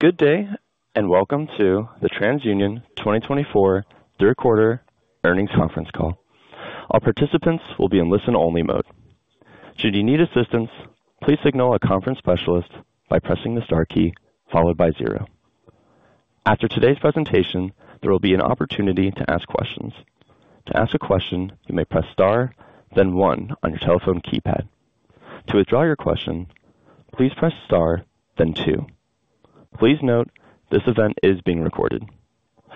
Good day, and welcome to the TransUnion 2024 third quarter earnings conference call. All participants will be in listen-only mode. Should you need assistance, please signal a conference specialist by pressing the star key followed by zero. After today's presentation, there will be an opportunity to ask questions. To ask a question, you may press star, then one on your telephone keypad. To withdraw your question, please press star then two. Please note, this event is being recorded.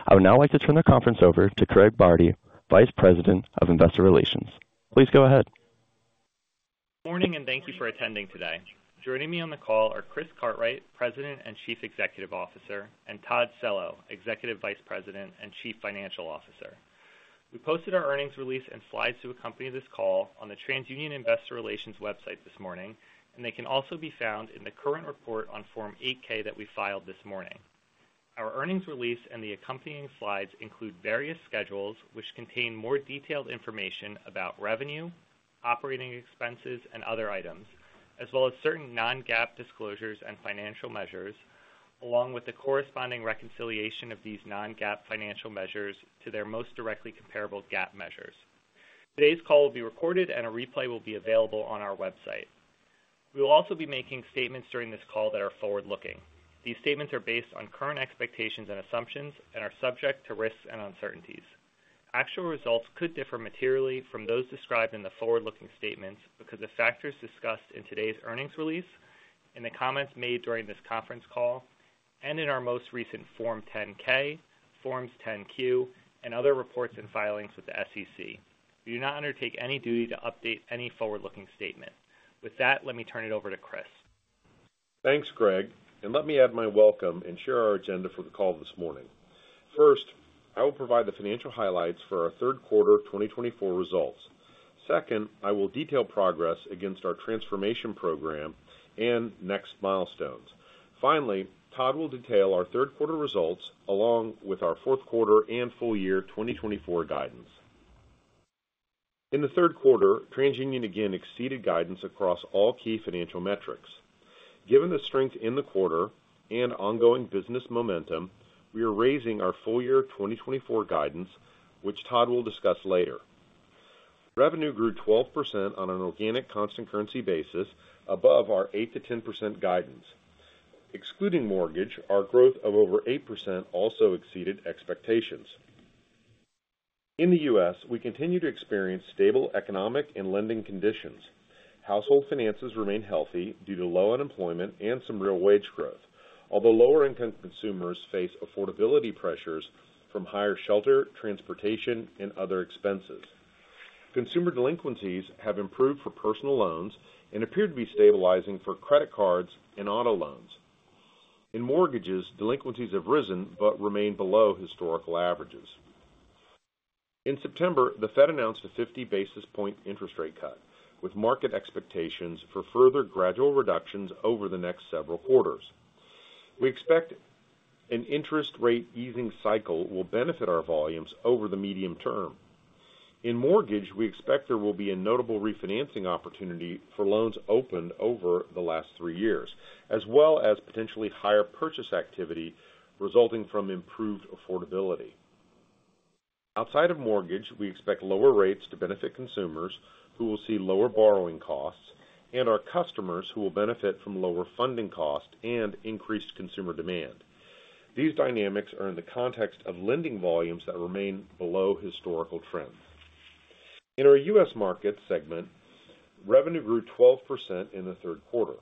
I would now like to turn the conference over to Greg Bardi, Vice President of Investor Relations. Please go ahead. Good morning, and thank you for attending today. Joining me on the call are Chris Cartwright, President and Chief Executive Officer, and Todd Cello, Executive Vice President and Chief Financial Officer. We posted our earnings release and slides to accompany this call on the TransUnion Investor Relations website this morning, and they can also be found in the current report on Form 8-K that we filed this morning. Our earnings release and the accompanying slides include various schedules, which contain more detailed information about revenue, operating expenses, and other items, as well as certain non-GAAP disclosures and financial measures, along with the corresponding reconciliation of these non-GAAP financial measures to their most directly comparable GAAP measures. Today's call will be recorded and a replay will be available on our website. We will also be making statements during this call that are forward-looking. These statements are based on current expectations and assumptions and are subject to risks and uncertainties. Actual results could differ materially from those described in the forward-looking statements because of factors discussed in today's earnings release, in the comments made during this conference call, and in our most recent Form 10-K, Forms 10-Q, and other reports and filings with the SEC. We do not undertake any duty to update any forward-looking statement. With that, let me turn it over to Chris. Thanks, Greg, and let me add my welcome and share our agenda for the call this morning. First, I will provide the financial highlights for our third quarter 2024 results. Second, I will detail progress against our transformation program and next milestones. Finally, Todd will detail our third quarter results, along with our fourth quarter and full year 2024 guidance. In the third quarter, TransUnion again exceeded guidance across all key financial metrics. Given the strength in the quarter and ongoing business momentum, we are raising our full year 2024 guidance, which Todd will discuss later. Revenue grew 12% on an organic constant currency basis above our 8%-10% guidance. Excluding mortgage, our growth of over 8% also exceeded expectations. In the U.S., we continue to experience stable economic and lending conditions. Household finances remain healthy due to low unemployment and some real wage growth, although lower-income consumers face affordability pressures from higher shelter, transportation, and other expenses. Consumer delinquencies have improved for personal loans and appear to be stabilizing for credit cards and auto loans. In mortgages, delinquencies have risen but remain below historical averages. In September, the Fed announced a 50 basis points interest rate cut, with market expectations for further gradual reductions over the next several quarters. We expect an interest rate easing cycle will benefit our volumes over the medium term. In mortgage, we expect there will be a notable refinancing opportunity for loans opened over the last three years, as well as potentially higher purchase activity resulting from improved affordability. Outside of mortgage, we expect lower rates to benefit consumers, who will see lower borrowing costs and our customers, who will benefit from lower funding costs and increased consumer demand. These dynamics are in the context of lending volumes that remain below historical trend. In our U.S. Market segment, revenue grew 12% in the third quarter.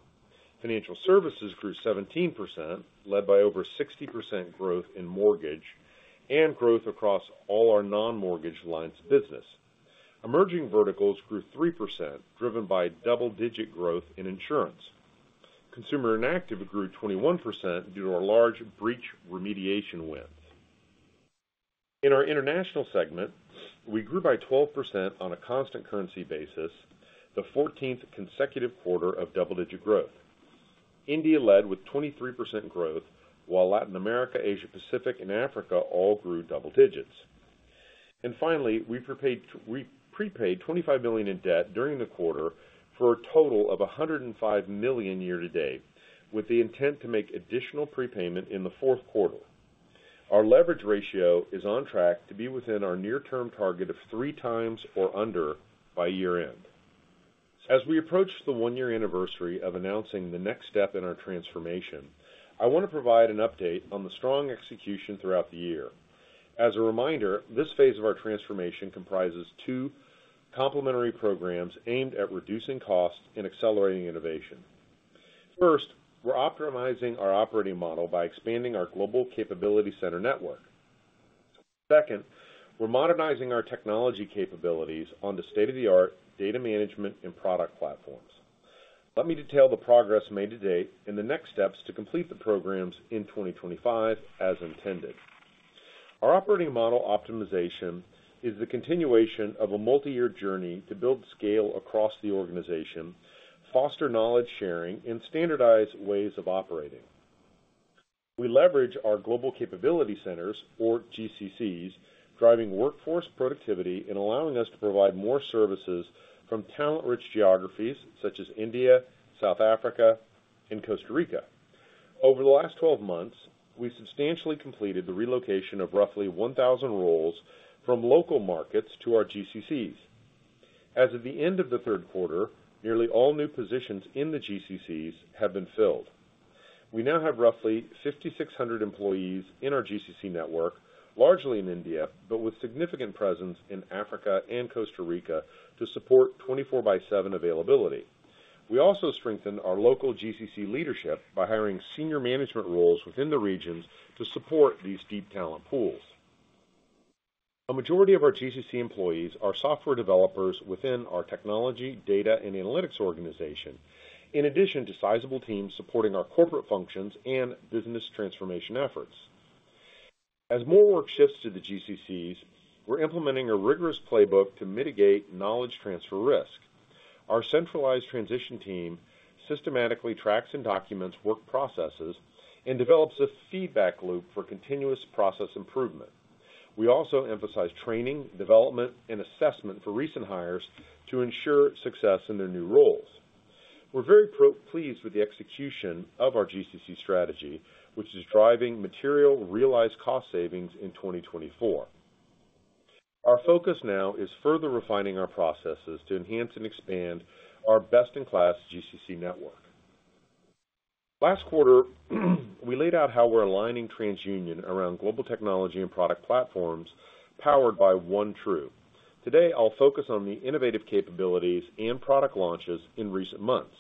Financial Services grew 17%, led by over 60% growth in mortgage and growth across all our non-mortgage lines of business. Emerging Verticals grew 3%, driven by double-digit growth in insurance. Consumer Interactive grew 21% due to our large breach remediation wins. In our International segment, we grew by 12% on a constant currency basis, the fourteenth consecutive quarter of double-digit growth. India led with 23% growth, while Latin America, Asia Pacific, and Africa all grew double digits. Finally, we prepaid $25 million in debt during the quarter for a total of $105 million year-to-date, with the intent to make additional prepayment in the fourth quarter. Our leverage ratio is on track to be within our near-term target of three times or under by year-end. As we approach the one-year anniversary of announcing the next step in our transformation, I want to provide an update on the strong execution throughout the year. As a reminder, this phase of our transformation comprises two complementary programs aimed at reducing costs and accelerating innovation. First, we're optimizing our operating model by expanding our global capability center network. Second, we're modernizing our technology capabilities on the state-of-the-art data management and product platforms. Let me detail the progress made to date and the next steps to complete the programs in 2025 as intended. Our operating model optimization is the continuation of a multi-year journey to build scale across the organization, foster knowledge sharing, and standardize ways of operating. We leverage our Global Capability Centers, or GCCs, driving workforce productivity and allowing us to provide more services from talent-rich geographies such as India, South Africa, and Costa Rica. Over the last twelve months, we substantially completed the relocation of roughly one thousand roles from local markets to our GCCs. As of the end of the third quarter, nearly all new positions in the GCCs have been filled. We now have roughly 5,600 employees in our GCC network, largely in India, but with significant presence in Africa and Costa Rica to support 24/7 availability. We also strengthened our local GCC leadership by hiring senior management roles within the regions to support these deep talent pools. A majority of our GCC employees are software developers within our technology, data, and analytics organization, in addition to sizable teams supporting our corporate functions and business transformation efforts. As more work shifts to the GCCs, we're implementing a rigorous playbook to mitigate knowledge transfer risk. Our centralized transition team systematically tracks and documents work processes and develops a feedback loop for continuous process improvement. We also emphasize training, development, and assessment for recent hires to ensure success in their new roles. We're very pleased with the execution of our GCC strategy, which is driving material realized cost savings in 2024. Our focus now is further refining our processes to enhance and expand our best-in-class GCC network. Last quarter, we laid out how we're aligning TransUnion around global technology and product platforms powered by OneTru. Today, I'll focus on the innovative capabilities and product launches in recent months.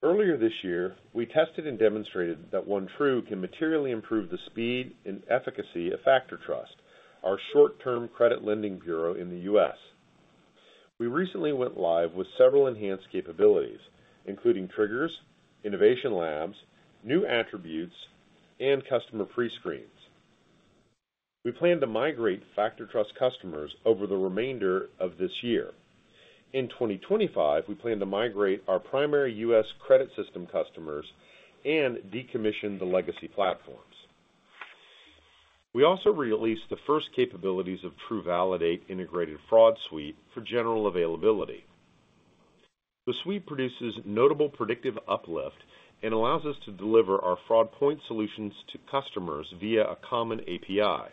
Earlier this year, we tested and demonstrated that OneTru can materially improve the speed and efficacy of FactorTrust, our short-term credit lending bureau in the U.S. We recently went live with several enhanced capabilities, including triggers, innovation labs, new attributes, and customer prescreens. We plan to migrate FactorTrust customers over the remainder of this year. In 2025, we plan to migrate our primary U.S. credit system customers and decommission the legacy platforms. We also released the first capabilities of TruValidate Integrated Fraud Suite for general availability. The suite produces notable predictive uplift and allows us to deliver our fraud point solutions to customers via a common API.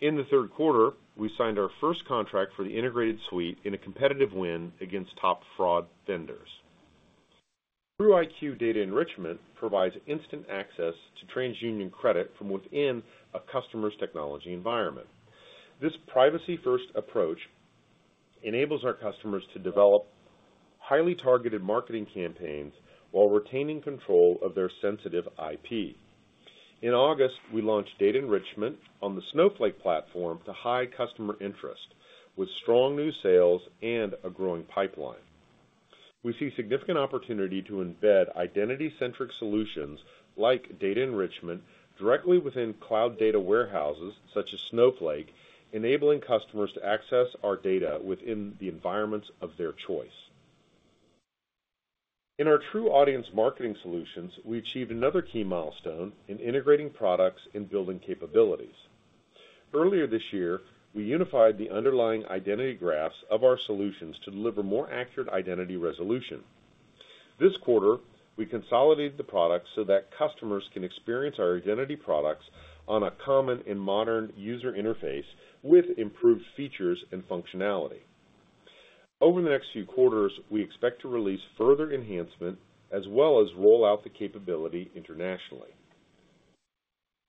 In the third quarter, we signed our first contract for the integrated suite in a competitive win against top fraud vendors. TruIQ Data Enrichment provides instant access to TransUnion credit from within a customer's technology environment. This privacy-first approach enables our customers to develop highly targeted marketing campaigns while retaining control of their sensitive IP. In August, we launched Data Enrichment on the Snowflake platform to high customer interest, with strong new sales and a growing pipeline. We see significant opportunity to embed identity-centric solutions, like Data Enrichment, directly within cloud data warehouses, such as Snowflake, enabling customers to access our data within the environments of their choice. In our TruAudience Marketing Solutions, we achieved another key milestone in integrating products and building capabilities. Earlier this year, we unified the underlying identity graphs of our solutions to deliver more accurate identity resolution. This quarter, we consolidated the products so that customers can experience our identity products on a common and modern user interface, with improved features and functionality. Over the next few quarters, we expect to release further enhancement, as well as roll out the capability internationally.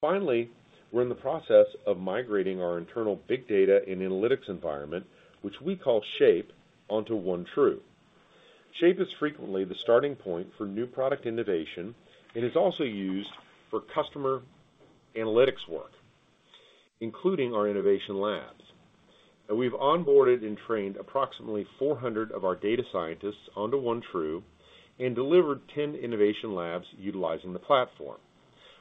Finally, we're in the process of migrating our internal big data and analytics environment, which we call Shape, onto OneTru. Shape is frequently the starting point for new product innovation and is also used for customer analytics work, including our innovation labs. We've onboarded and trained approximately 400 of our data scientists onto OneTru and delivered 10 innovation labs utilizing the platform.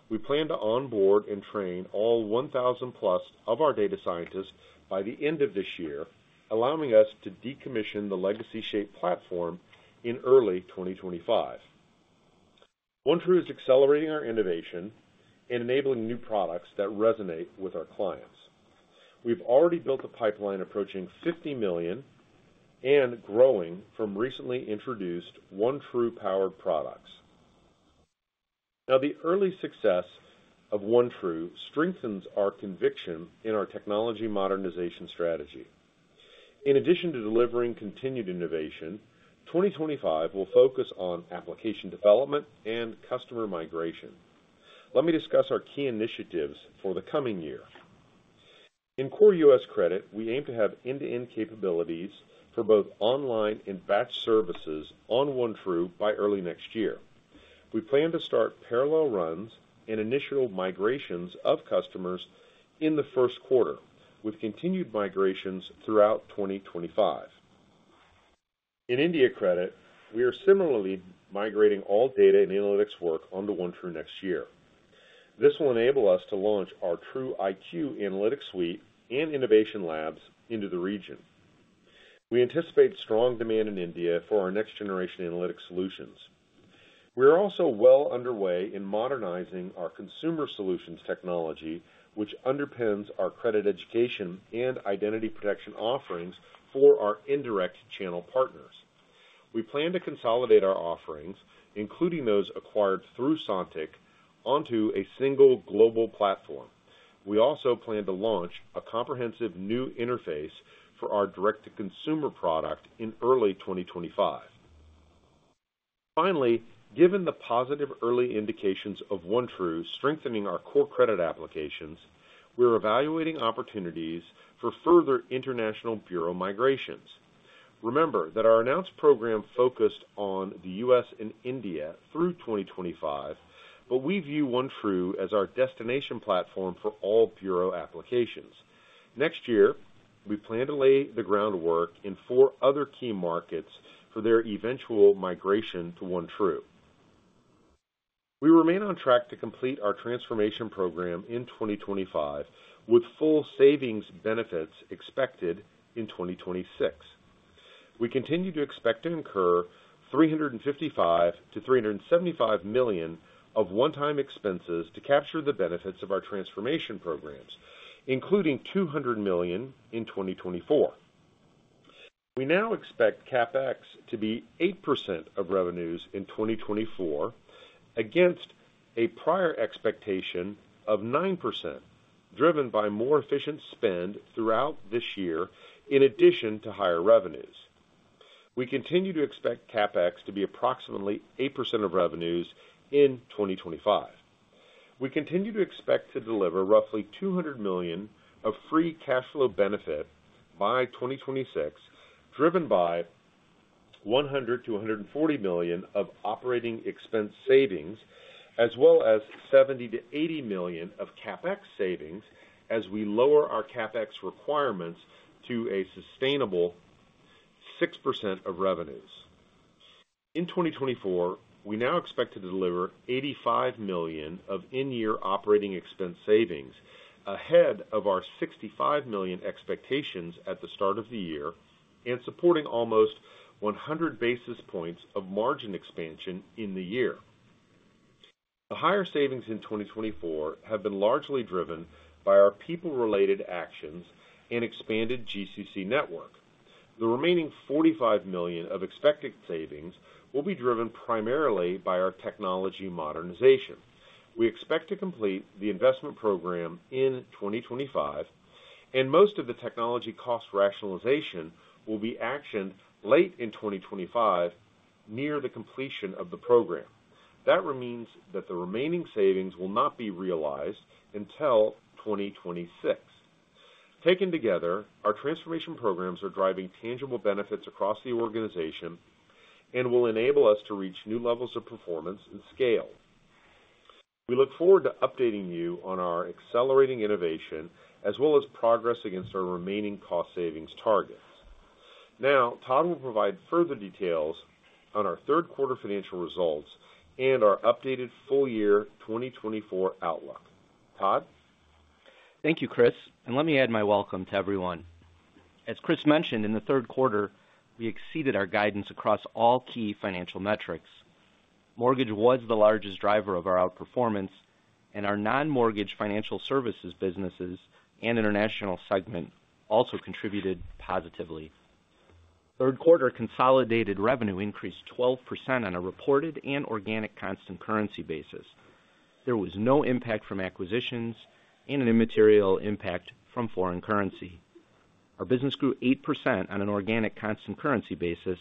We plan to onboard and train all 1,000+ of our data scientists by the end of this year, allowing us to decommission the legacy Shape platform in early 2025. OneTru is accelerating our innovation and enabling new products that resonate with our clients. We've already built a pipeline approaching 50 million and growing from recently introduced OneTru-powered products. Now, the early success of OneTru strengthens our conviction in our technology modernization strategy. In addition to delivering continued innovation, 2025 will focus on application development and customer migration. Let me discuss our key initiatives for the coming year. In core US Credit, we aim to have end-to-end capabilities for both online and batch services on OneTru by early next year. We plan to start parallel runs and initial migrations of customers in the first quarter, with continued migrations throughout 2025. In India Credit, we are similarly migrating all data and analytics work onto OneTru next year. This will enable us to launch our TruIQ Analytics Suite and innovation labs into the region. We anticipate strong demand in India for our next-generation analytics solutions. We are also well underway in modernizing our consumer solutions technology, which underpins our credit education and identity protection offerings for our indirect channel partners. We plan to consolidate our offerings, including those acquired through Sontiq, onto a single global platform. We also plan to launch a comprehensive new interface for our direct-to-consumer product in early 2025. Finally, given the positive early indications of OneTru strengthening our core credit applications, we're evaluating opportunities for further international bureau migrations. Remember that our announced program focused on the U.S. and India through 2025, but we view OneTru as our destination platform for all bureau applications. Next year, we plan to lay the groundwork in four other key markets for their eventual migration to OneTru. We remain on track to complete our transformation program in 2025, with full savings benefits expected in 2026. We continue to expect to incur $355 million-$375 million of one-time expenses to capture the benefits of our transformation programs, including $200 million in 2024. We now expect CapEx to be 8% of revenues in 2024, against a prior expectation of 9%, driven by more efficient spend throughout this year, in addition to higher revenues. We continue to expect CapEx to be approximately 8% of revenues in 2025. We continue to expect to deliver roughly $200 million of free cash flow benefit by 2026, driven by $100 million-$140 million of operating expense savings, as well as $70 million-$80 million of CapEx savings as we lower our CapEx requirements to a sustainable 6% of revenues. In 2024, we now expect to deliver $85 million of in-year operating expense savings, ahead of our $65 million expectations at the start of the year, and supporting almost 100 basis points of margin expansion in the year. The higher savings in 2024 have been largely driven by our people-related actions and expanded GCC network. The remaining $45 million of expected savings will be driven primarily by our technology modernization. We expect to complete the investment program in 2025, and most of the technology cost rationalization will be actioned late in 2025, near the completion of the program. That remains that the remaining savings will not be realized until 2026. Taken together, our transformation programs are driving tangible benefits across the organization and will enable us to reach new levels of performance and scale. We look forward to updating you on our accelerating innovation, as well as progress against our remaining cost savings targets. Now, Todd will provide further details on our third quarter financial results and our updated full-year 2024 outlook. Todd? Thank you, Chris, and let me add my welcome to everyone. As Chris mentioned, in the third quarter, we exceeded our guidance across all key financial metrics. Mortgage was the largest driver of our outperformance, and our non-mortgage financial services, businesses, and International segment also contributed positively. Third quarter consolidated revenue increased 12% on a reported and organic constant currency basis. There was no impact from acquisitions and an immaterial impact from foreign currency. Our business grew 8% on an organic constant currency basis,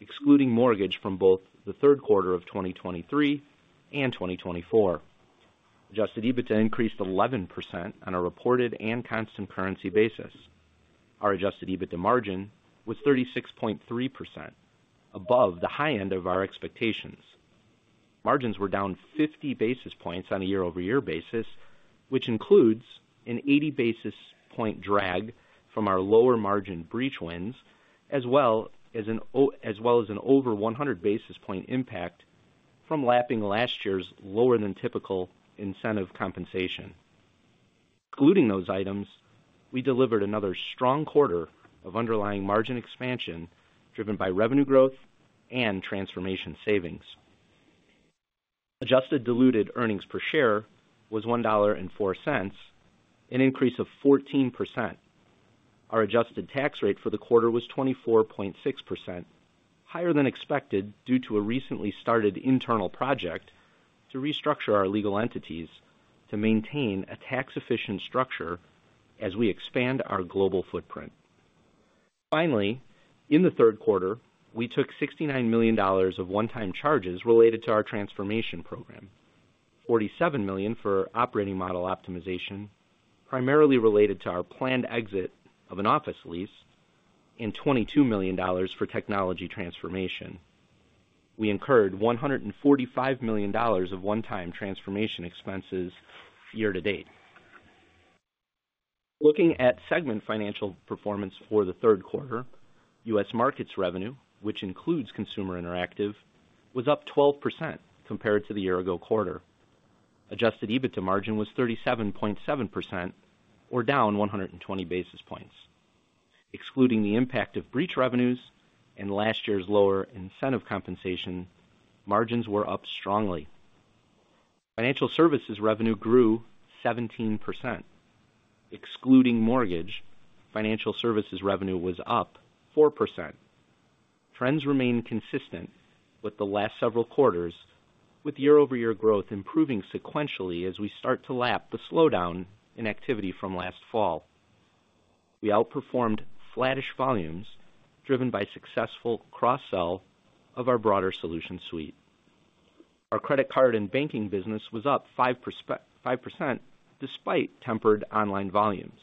excluding mortgage from both the third quarter of 2023 and 2024. Adjusted EBITDA increased 11% on a reported and constant currency basis. Our Adjusted EBITDA margin was 36.3%, above the high end of our expectations. Margins were down 50 basis points on a year-over-year basis, which includes an 80 basis point drag from our lower margin breach wins, as well as an over 100 basis point impact from lapping last year's lower than typical incentive compensation. Excluding those items, we delivered another strong quarter of underlying margin expansion, driven by revenue growth and transformation savings. Adjusted diluted earnings per share was $1.04, an increase of 14%. Our adjusted tax rate for the quarter was 24.6%, higher than expected, due to a recently started internal project to restructure our legal entities to maintain a tax-efficient structure as we expand our global footprint. Finally, in the third quarter, we took $69 million of one-time charges related to our transformation program, $47 million for operating model optimization, primarily related to our planned exit of an office lease, and $22 million for technology transformation. We incurred $145 million of one-time transformation expenses year-to-date. Looking at segment financial performance for the third quarter, U.S. Markets revenue, which includes Consumer Interactive, was up 12% compared to the year-ago quarter. Adjusted EBITDA margin was 37.7% or down 120 basis points. Excluding the impact of breach revenues and last year's lower incentive compensation, margins were up strongly.... Financial Services revenue grew 17%. Excluding mortgage, Financial Services revenue was up 4%. Trends remain consistent with the last several quarters, with year-over-year growth improving sequentially as we start to lap the slowdown in activity from last fall. We outperformed flattish volumes, driven by successful cross-sell of our broader solution suite. Our credit card and banking business was up 5%, despite tempered online volumes.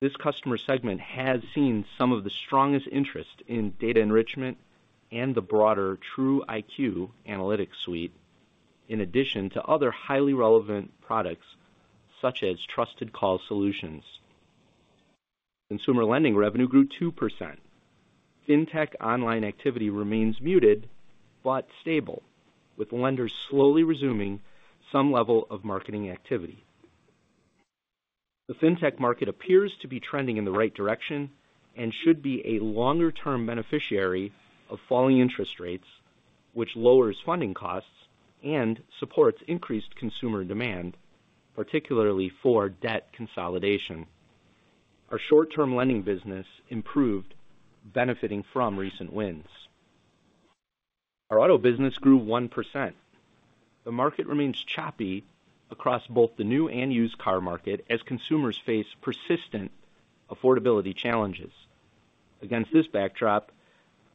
This customer segment has seen some of the strongest interest in data enrichment and the broader TruIQ Analytics Suite, in addition to other highly relevant products such as Trusted Call Solutions. Consumer lending revenue grew 2%. Fintech online activity remains muted, but stable, with lenders slowly resuming some level of marketing activity. The Fintech market appears to be trending in the right direction and should be a longer-term beneficiary of falling interest rates, which lowers funding costs and supports increased consumer demand, particularly for debt consolidation. Our short-term lending business improved, benefiting from recent wins. Our auto business grew 1%. The market remains choppy across both the new and used car market as consumers face persistent affordability challenges. Against this backdrop,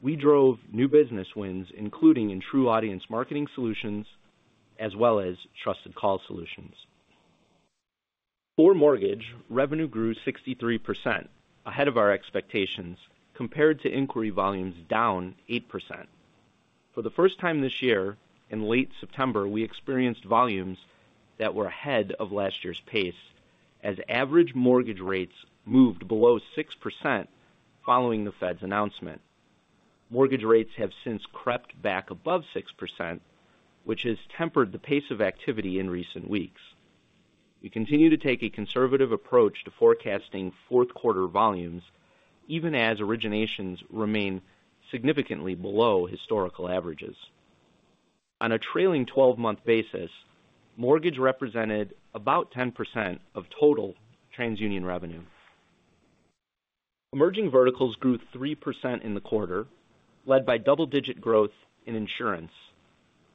we drove new business wins, including in TruAudience Marketing Solutions, as well as Trusted Call Solutions. For mortgage, revenue grew 63%, ahead of our expectations, compared to inquiry volumes down 8%. For the first time this year, in late September, we experienced volumes that were ahead of last year's pace, as average mortgage rates moved below 6% following the Fed's announcement. Mortgage rates have since crept back above 6%, which has tempered the pace of activity in recent weeks. We continue to take a conservative approach to forecasting fourth quarter volumes, even as originations remain significantly below historical averages. On a trailing twelve-month basis, mortgage represented about 10% of total TransUnion revenue. Emerging Verticals grew 3% in the quarter, led by double-digit growth in insurance.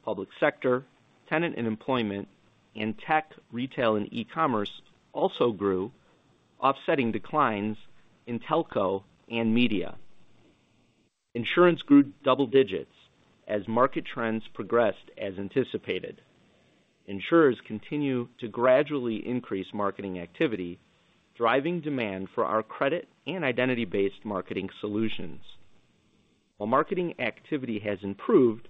Public sector, tenant and employment, and tech, retail, and e-commerce also grew, offsetting declines in telco and media. Insurance grew double digits as market trends progressed as anticipated. Insurers continue to gradually increase marketing activity, driving demand for our credit and identity-based marketing solutions. While marketing activity has improved,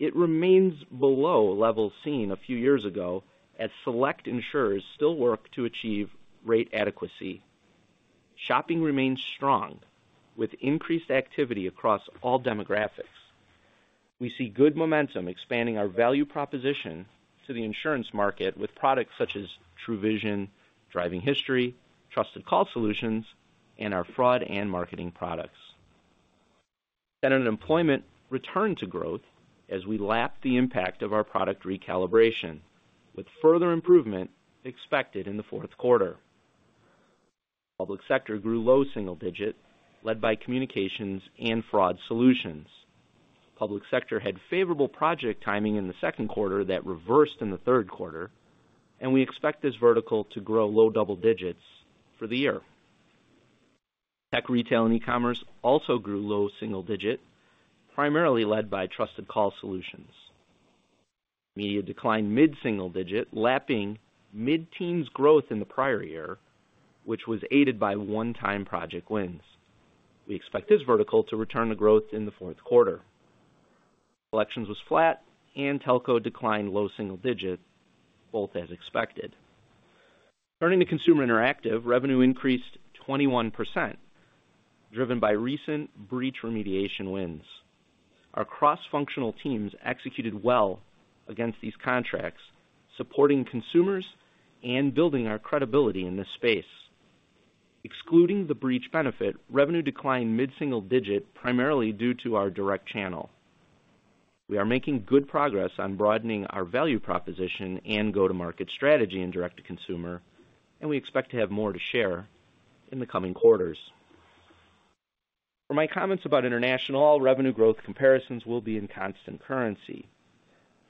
it remains below levels seen a few years ago, as select insurers still work to achieve rate adequacy. Shopping remains strong, with increased activity across all demographics. We see good momentum expanding our value proposition to the insurance market with products such as TruVision Driving History, Trusted Call Solutions, and our fraud and marketing products. Tenant employment returned to growth as we lapped the impact of our product recalibration, with further improvement expected in the fourth quarter. Public sector grew low single digit, led by communications and fraud solutions. Public sector had favorable project timing in the second quarter that reversed in the third quarter, and we expect this vertical to grow low double digits for the year. Tech, retail, and e-commerce also grew low single digit, primarily led by Trusted Call Solutions. Media declined mid-single digit, lapping mid-teens growth in the prior year, which was aided by one-time project wins. We expect this vertical to return to growth in the fourth quarter. Collections was flat and telco declined low single digit, both as expected. Turning to Consumer Interactive, revenue increased 21%, driven by recent breach remediation wins. Our cross-functional teams executed well against these contracts, supporting consumers and building our credibility in this space. Excluding the breach benefit, revenue declined mid-single digit, primarily due to our direct channel. We are making good progress on broadening our value proposition and go-to-market strategy in direct-to-consumer, and we expect to have more to share in the coming quarters. For my comments about international, all revenue growth comparisons will be in constant currency.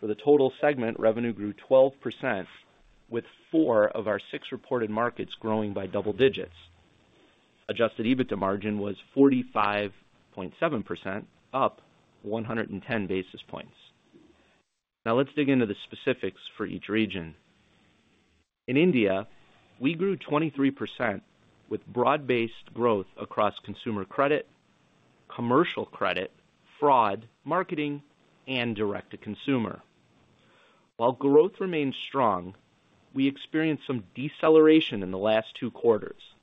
For the total segment, revenue grew 12%, with four of our six reported markets growing by double digits. Adjusted EBITDA margin was 45.7%, up 110 basis points. Now, let's dig into the specifics for each region. In India, we grew 23% with broad-based growth across consumer credit, commercial credit, fraud, marketing, and direct-to-consumer. While growth remains strong, we experienced some deceleration in the last two quarters.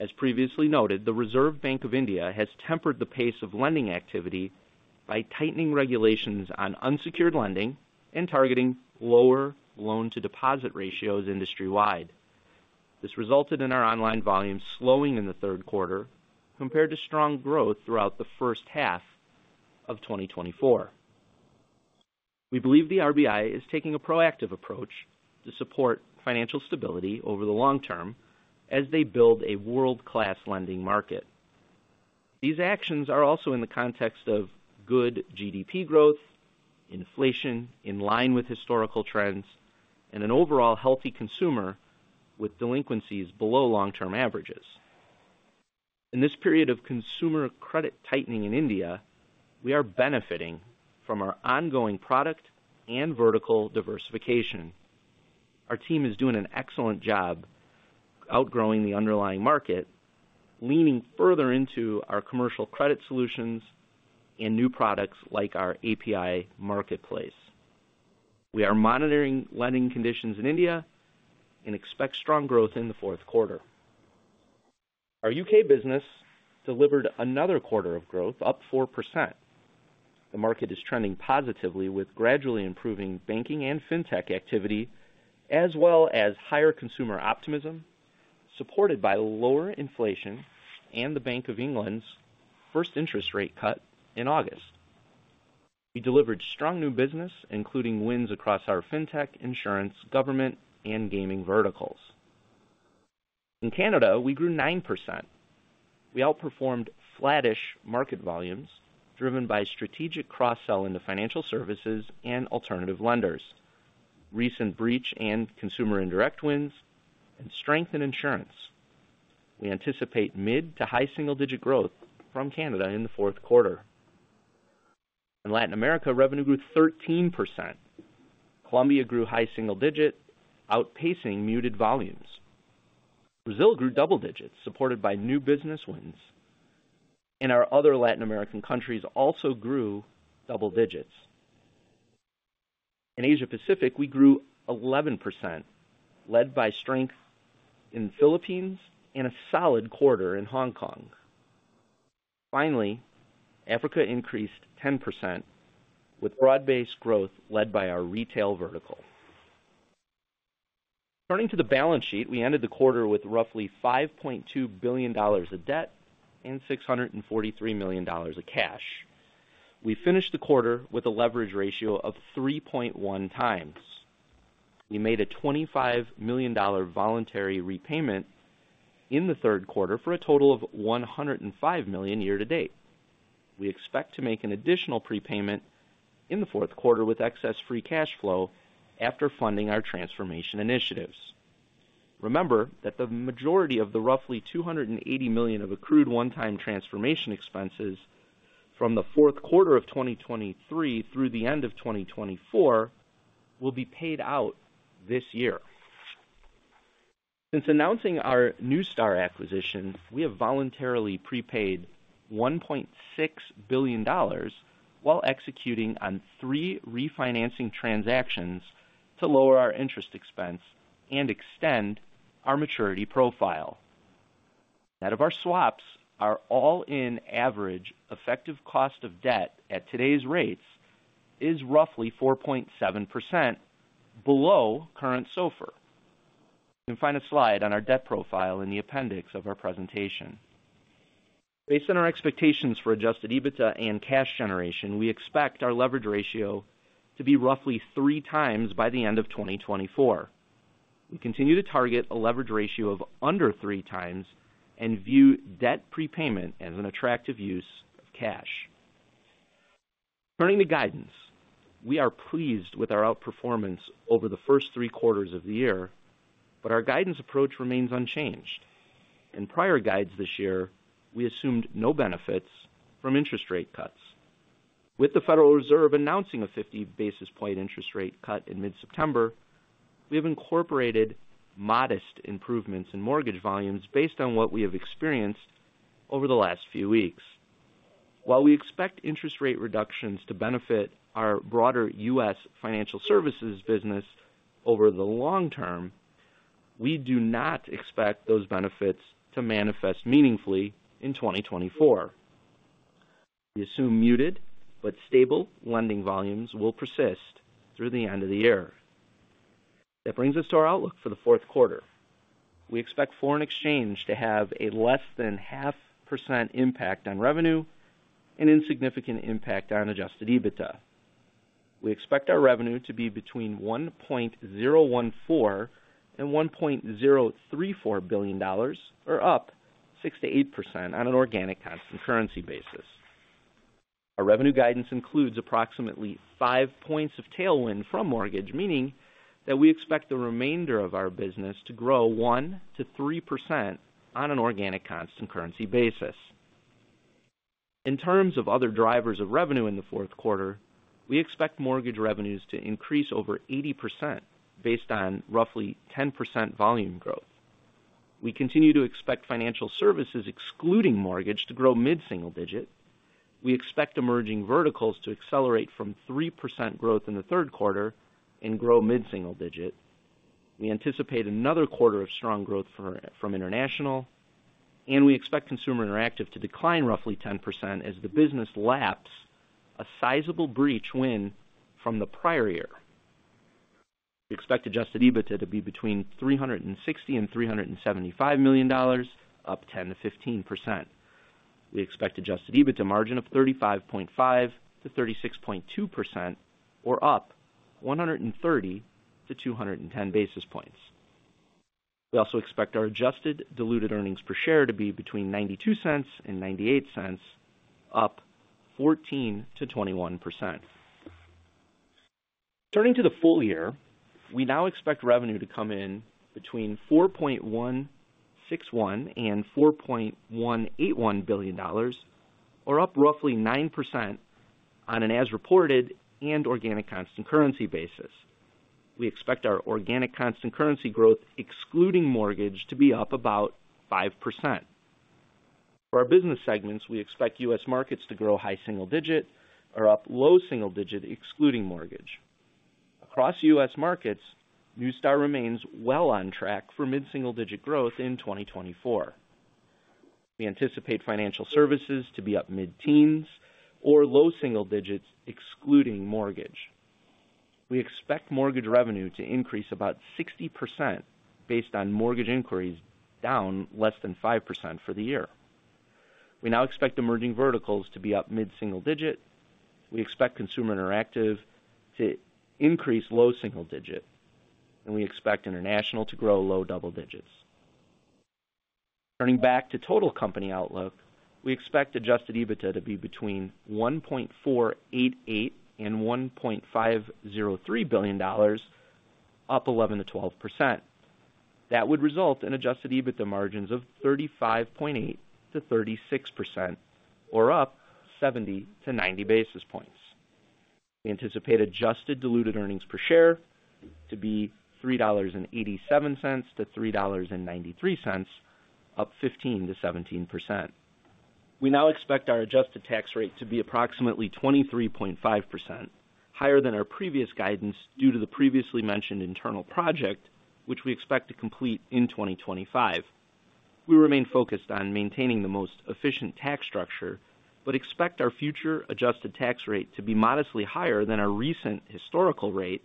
As previously noted, the Reserve Bank of India has tempered the pace of lending activity by tightening regulations on unsecured lending and targeting lower loan-to-deposit ratios industry-wide. This resulted in our online volume slowing in the third quarter compared to strong growth throughout the first half of 2024. We believe the RBI is taking a proactive approach to support financial stability over the long term as they build a world-class lending market. These actions are also in the context of good GDP growth, inflation in line with historical trends, and an overall healthy consumer with delinquencies below long-term averages. In this period of consumer credit tightening in India, we are benefiting from our ongoing product and vertical diversification. Our team is doing an excellent job outgrowing the underlying market, leaning further into our commercial credit solutions and new products like our API marketplace. We are monitoring lending conditions in India and expect strong growth in the fourth quarter. Our U.K. business delivered another quarter of growth, up 4%. The market is trending positively, with gradually improving banking and fintech activity, as well as higher consumer optimism, supported by lower inflation and the Bank of England's first interest rate cut in August. We delivered strong new business, including wins across our fintech, insurance, government, and gaming verticals. In Canada, we grew 9%. We outperformed flattish market volumes, driven by strategic cross-sell into financial services and alternative lenders, recent breach and consumer indirect wins, and strength in insurance. We anticipate mid to high single-digit growth from Canada in the fourth quarter. In Latin America, revenue grew 13%. Colombia grew high single-digit, outpacing muted volumes. Brazil grew double digits, supported by new business wins, and our other Latin American countries also grew double digits. In Asia Pacific, we grew 11%, led by strength in the Philippines and a solid quarter in Hong Kong. Finally, Africa increased 10%, with broad-based growth led by our retail vertical. Turning to the balance sheet, we ended the quarter with roughly $5.2 billion of debt and $643 million of cash. We finished the quarter with a leverage ratio of 3.1 times. We made a $25 million voluntary repayment in the third quarter for a total of $105 million year-to-date. We expect to make an additional prepayment in the fourth quarter with excess free cash flow after funding our transformation initiatives. Remember that the majority of the roughly $280 million of accrued one-time transformation expenses from the fourth quarter of 2023 through the end of 2024 will be paid out this year. Since announcing our Neustar acquisition, we have voluntarily prepaid $1.6 billion while executing on three refinancing transactions to lower our interest expense and extend our maturity profile. Net of our swaps, our all-in average effective cost of debt at today's rates is roughly 4.7% below current SOFR. You can find a slide on our debt profile in the appendix of our presentation. Based on our expectations for Adjusted EBITDA and cash generation, we expect our leverage ratio to be roughly three times by the end of 2024. We continue to target a leverage ratio of under three times and view debt prepayment as an attractive use of cash. Turning to guidance, we are pleased with our outperformance over the first three quarters of the year, but our guidance approach remains unchanged. In prior guides this year, we assumed no benefits from interest rate cuts. With the Federal Reserve announcing a 50 basis points interest rate cut in mid-September, we have incorporated modest improvements in mortgage volumes based on what we have experienced over the last few weeks. While we expect interest rate reductions to benefit our broader U.S. Financial Services business over the long term, we do not expect those benefits to manifest meaningfully in 2024. We assume muted but stable lending volumes will persist through the end of the year. That brings us to our outlook for the fourth quarter. We expect foreign exchange to have a less than 0.5% impact on revenue and insignificant impact on Adjusted EBITDA. We expect our revenue to be between $1.014 billion-$1.034 billion, or up 6%-8% on an organic constant currency basis. Our revenue guidance includes approximately five points of tailwind from mortgage, meaning that we expect the remainder of our business to grow 1%-3% on an organic, constant currency basis. In terms of other drivers of revenue in the fourth quarter, we expect mortgage revenues to increase over 80% based on roughly 10% volume growth. We continue to expect financial services, excluding mortgage, to grow mid-single digit. We expect Emerging Verticals to accelerate from 3% growth in the third quarter and grow mid-single digit. We anticipate another quarter of strong growth from international. We expect Consumer Interactive to decline roughly 10% as the business laps a sizable breach win from the prior year. We expect Adjusted EBITDA to be between $360 million and $375 million, up 10%-15%. We expect Adjusted EBITDA margin of 35.5%-36.2% or up 130-210 basis points. We also expect our adjusted diluted earnings per share to be between $0.92-$0.98, up 14%-21%. Turning to the full year, we now expect revenue to come in between $4.161 billion-$4.181 billion, or up roughly 9% on an as reported and organic constant currency basis. We expect our organic constant currency growth, excluding mortgage, to be up about 5%. For our business segments, we expect U.S. Markets to grow high single digit or up low single digit, excluding mortgage. Across U.S. Markets, Neustar remains well on track for mid-single digit growth in 2024. We anticipate financial services to be up mid-teens or low single digits, excluding mortgage. We expect mortgage revenue to increase about 60% based on mortgage inquiries, down less than 5% for the year. We now expect Emerging Verticals to be up mid-single digit. We expect Consumer Interactive to increase low single digit, and we expect international to grow low double digits. Turning back to total company outlook, we expect Adjusted EBITDA to be between $1.488 billion-$1.503 billion, up 11%-12%. That would result in Adjusted EBITDA margins of 35.8%-36%, or up 70-90 basis points. We anticipate adjusted diluted earnings per share to be $3.87-$3.93, up 15%-17%. We now expect our adjusted tax rate to be approximately 23.5%, higher than our previous guidance, due to the previously mentioned internal project, which we expect to complete in 2025. We remain focused on maintaining the most efficient tax structure, but expect our future adjusted tax rate to be modestly higher than our recent historical rate,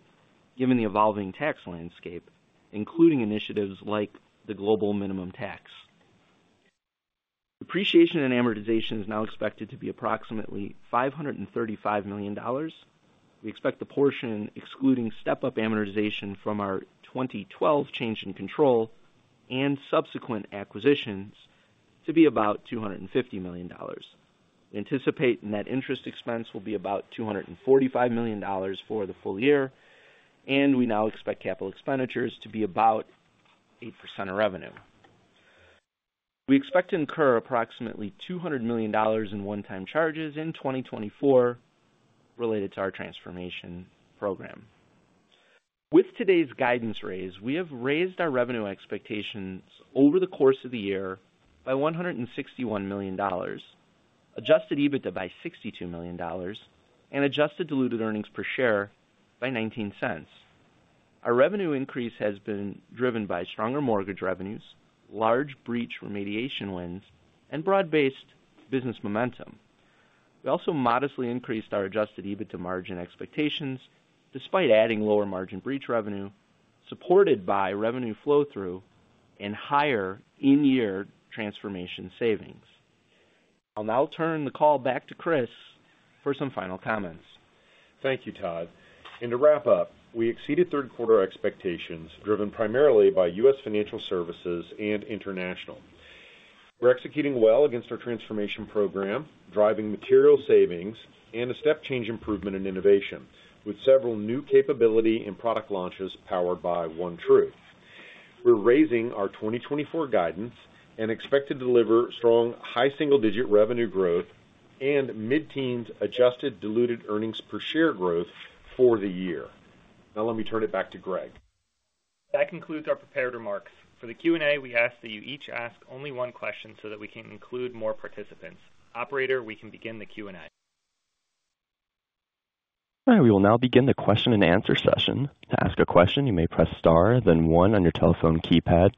given the evolving tax landscape, including initiatives like the global minimum tax. Depreciation and amortization is now expected to be approximately $535 million. We expect the portion, excluding step-up amortization from our 2012 change in control and subsequent acquisitions, to be about $250 million. We anticipate net interest expense will be about $245 million for the full year, and we now expect capital expenditures to be about 8% of revenue. We expect to incur approximately $200 million in one-time charges in 2024 related to our transformation program. With today's guidance raise, we have raised our revenue expectations over the course of the year by $161 million, Adjusted EBITDA by $62 million, and adjusted diluted earnings per share by $0.19. Our revenue increase has been driven by stronger mortgage revenues, large breach remediation wins, and broad-based business momentum. We also modestly increased our Adjusted EBITDA margin expectations, despite adding lower margin breach revenue, supported by revenue flow-through and higher in-year transformation savings. I'll now turn the call back to Chris for some final comments. Thank you, Todd. And to wrap up, we exceeded third quarter expectations, driven primarily by U.S. Financial Services and International. We're executing well against our transformation program, driving material savings and a step change improvement in innovation, with several new capability and product launches powered by OneTru. We're raising our 2024 guidance and expect to deliver strong, high single-digit revenue growth and mid-teens adjusted diluted earnings per share growth for the year. Now, let me turn it back to Greg. That concludes our prepared remarks. For the Q&A, we ask that you each ask only one question so that we can include more participants. Operator, we can begin the Q&A. Hi, we will now begin the question-and-answer session. To ask a question, you may press star, then one on your telephone keypad.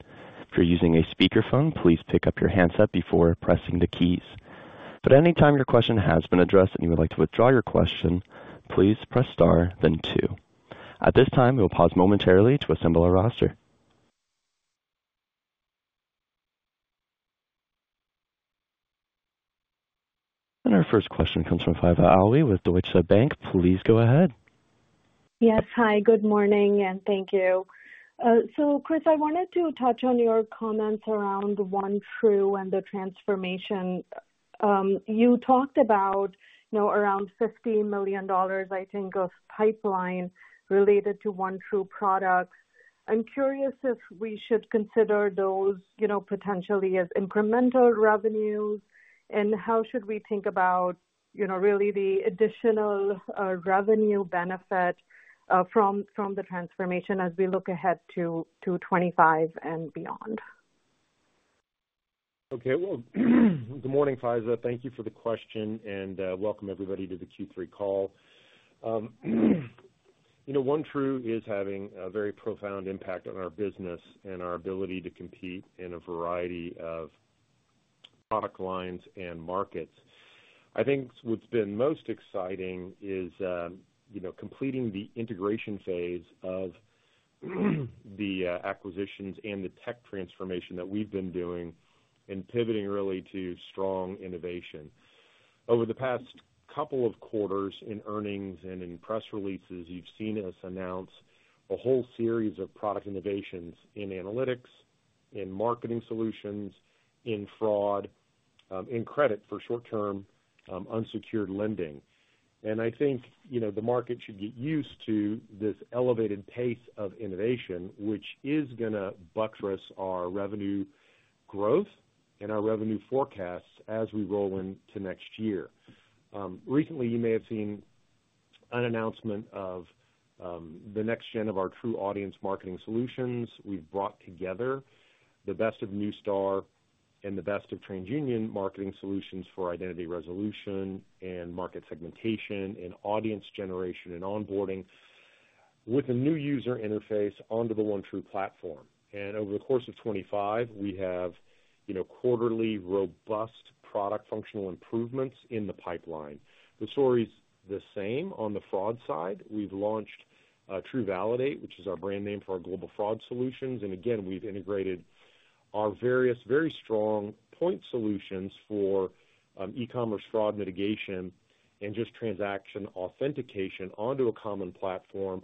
If you're using a speakerphone, please pick up your handset before pressing the keys, but any time your question has been addressed and you would like to withdraw your question, please press star, then two. At this time, we will pause momentarily to assemble a roster, and our first question comes from Faiza Ali with Deutsche Bank. Please go ahead. Yes, hi, good morning, and thank you. So Chris, I wanted to touch on your comments around OneTru and the transformation. You talked about, you know, around $50 million, I think, of pipeline related to OneTru products. I'm curious if we should consider those, you know, potentially as incremental revenues, and how should we think about, you know, really the additional revenue benefit from the transformation as we look ahead to 2025 and beyond? Okay, well, good morning, Faiza. Thank you for the question, and welcome everybody to the Q3 call.... You know, OneTru is having a very profound impact on our business and our ability to compete in a variety of product lines and markets. I think what's been most exciting is, you know, completing the integration phase of the acquisitions and the tech transformation that we've been doing and pivoting really to strong innovation. Over the past couple of quarters in earnings and in press releases, you've seen us announce a whole series of product innovations in analytics, in marketing solutions, in fraud, in credit for short-term, unsecured lending, and I think, you know, the market should get used to this elevated pace of innovation, which is gonna buttress our revenue growth and our revenue forecasts as we roll into next year. Recently, you may have seen an announcement of the next gen of our TruAudience Marketing Solutions. We've brought together the best of Neustar and the best of TransUnion marketing solutions for identity resolution and market segmentation and audience generation and onboarding, with a new user interface onto the OneTru platform, and over the course of 25, we have, you know, quarterly robust product functional improvements in the pipeline. The story's the same on the fraud side. We've launched TruValidate, which is our brand name for our global fraud solutions, and again, we've integrated our various very strong point solutions for e-commerce fraud mitigation and just transaction authentication onto a common platform.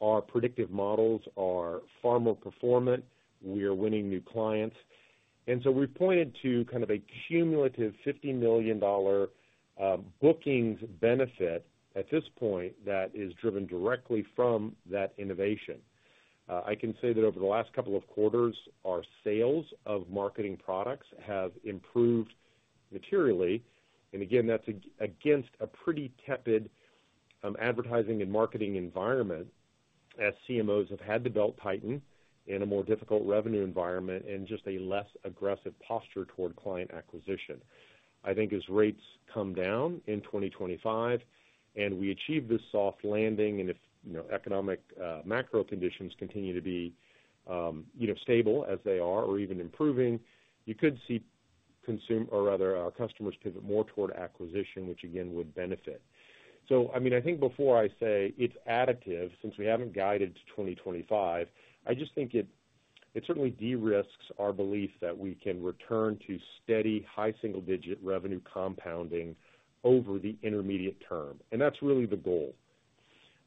Our predictive models are far more performant. We are winning new clients, and so we've pointed to kind of a cumulative $50 million bookings benefit at this point, that is driven directly from that innovation. I can say that over the last couple of quarters, our sales of marketing products have improved materially, and again, that's against a pretty tepid advertising and marketing environment, as CMOs have had to belt tighten in a more difficult revenue environment and just a less aggressive posture toward client acquisition. I think as rates come down in 2025 and we achieve this soft landing, and if, you know, economic macro conditions continue to be, you know, stable as they are, or even improving, you could see consumers or rather, our customers pivot more toward acquisition, which again, would benefit. I mean, I think before I say it's additive, since we haven't guided to 2025, I just think it certainly de-risks our belief that we can return to steady, high single-digit revenue compounding over the intermediate term, and that's really the goal,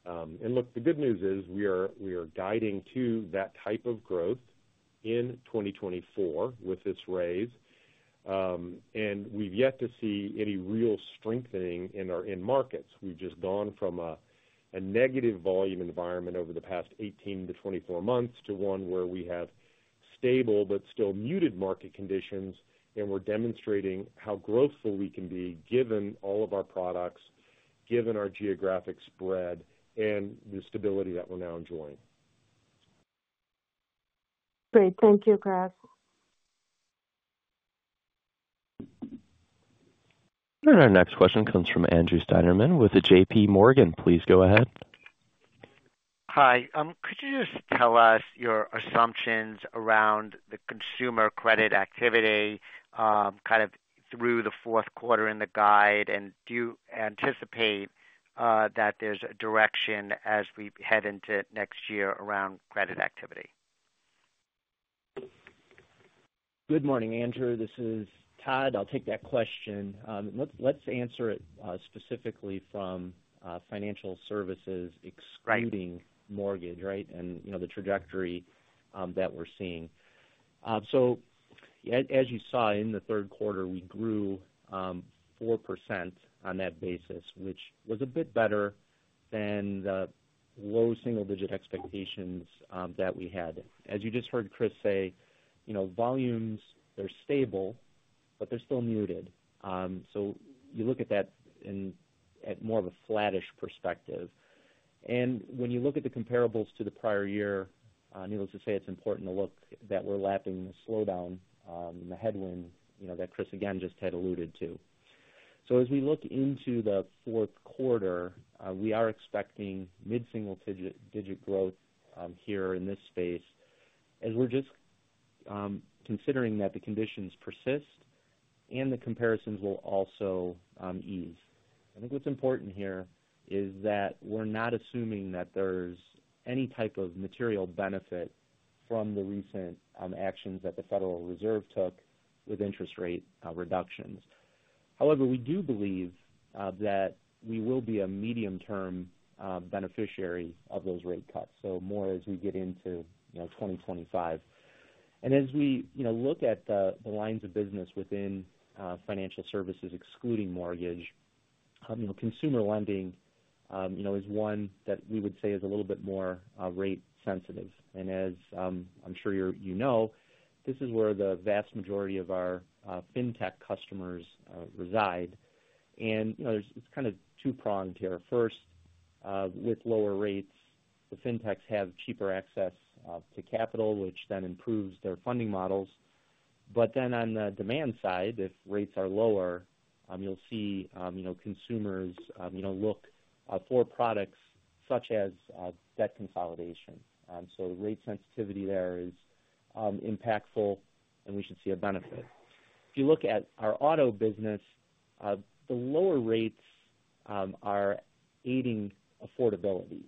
and look, the good news is, we are guiding to that type of growth in 2024 with this raise, and we've yet to see any real strengthening in our end markets. We've just gone from a negative volume environment over the past 18-24 months, to one where we have stable but still muted market conditions, and we're demonstrating how growthful we can be, given all of our products, given our geographic spread and the stability that we're now enjoying. Great. Thank you, Chris. Our next question comes from Andrew Steinerman with J.P. Morgan. Please go ahead. Hi, could you just tell us your assumptions around the consumer credit activity, kind of through the fourth quarter and the guide? And do you anticipate that there's a direction as we head into next year around credit activity? Good morning, Andrew. This is Todd. I'll take that question. Let's answer it specifically from financial services excluding mortgage, right? And, you know, the trajectory that we're seeing. So as, as you saw in the third quarter, we grew 4% on that basis, which was a bit better than the low single digit expectations that we had. As you just heard Chris say, you know, volumes, they're stable, but they're still muted. So you look at that in, at more of a flattish perspective. And when you look at the comparables to the prior year, needless to say, it's important to look that we're lapping the slowdown and the headwind, you know, that Chris again, just had alluded to. So as we look into the fourth quarter, we are expecting mid-single digit growth here in this space, as we're just considering that the conditions persist and the comparisons will also ease. I think what's important here is that we're not assuming that there's any type of material benefit from the recent actions that the Federal Reserve took with interest rate reductions. However, we do believe that we will be a medium-term beneficiary of those rate cuts, so more as we get into, you know, 2025, and as we, you know, look at the lines of business within financial services, excluding mortgage, you know, consumer lending, you know, is one that we would say is a little bit more rate sensitive, and as I'm sure you, you know, this is where the vast majority of our fintech customers reside, and you know, there's. It's kind of two-pronged here. First, with lower rates, the fintechs have cheaper access to capital, which then improves their funding models. But then on the demand side, if rates are lower, you'll see, you know, consumers, you know, look for products such as, debt consolidation. So rate sensitivity there is impactful, and we should see a benefit. If you look at our auto business, the lower rates are aiding affordability.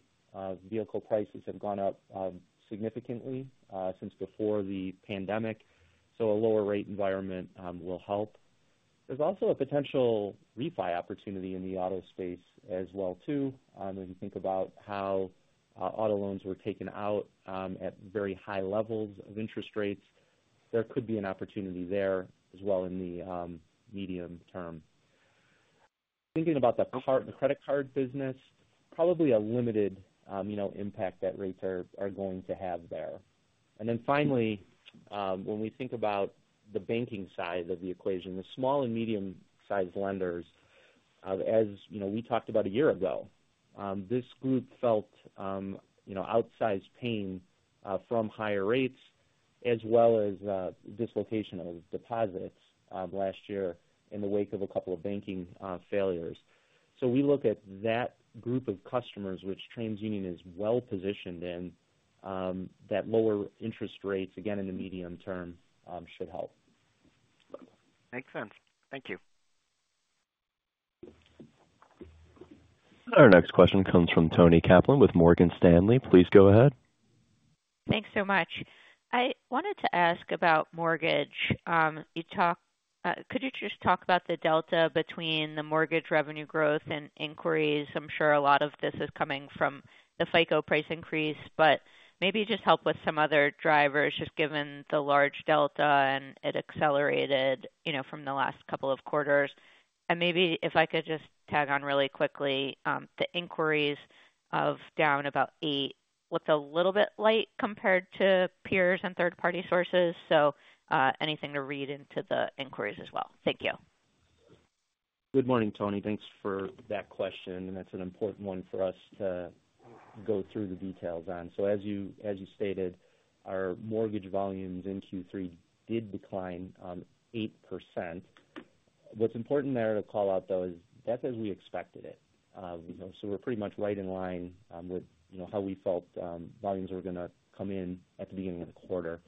Vehicle prices have gone up significantly since before the pandemic, so a lower rate environment will help. There's also a potential refi opportunity in the auto space as well, too. As you think about how auto loans were taken out at very high levels of interest rates, there could be an opportunity there as well in the medium term. Thinking about the card, the credit card business, probably a limited, you know, impact that rates are going to have there. And then finally, when we think about the banking side of the equation, the small and medium-sized lenders, as you know, we talked about a year ago, this group felt you know, outsized pain from higher rates, as well as dislocation of deposits last year in the wake of a couple of banking failures. So we look at that group of customers, which TransUnion is well positioned in, that lower interest rates, again, in the medium term, should help. Makes sense. Thank you. Our next question comes from Toni Kaplan with Morgan Stanley. Please go ahead. Thanks so much. I wanted to ask about mortgage. Could you just talk about the delta between the mortgage revenue growth and inquiries? I'm sure a lot of this is coming from the FICO price increase, but maybe just help with some other drivers, just given the large delta, and it accelerated, you know, from the last couple of quarters. And maybe if I could just tag on really quickly, the inquiries are down about 8% looks a little bit light compared to peers and third-party sources. So, anything to read into the inquiries as well. Thank you. Good morning, Toni. Thanks for that question, and that's an important one for us to go through the details on. So as you stated, our mortgage volumes in Q3 did decline 8%. What's important there to call out, though, is that's as we expected it. You know, so we're pretty much right in line with you know how we felt volumes were gonna come in at the beginning of the quarter.